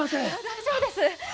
大丈夫です。